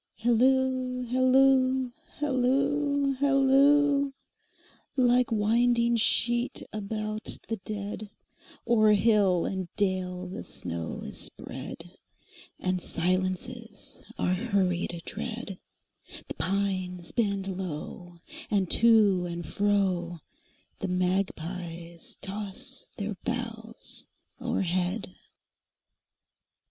Hilloo, hilloo, hilloo, hilloo! Like winding sheet about the dead, O'er hill and dale the snow is spread, And silences our hurried tread; The pines bend low, and to and froThe magpies toss their boughs o'erhead.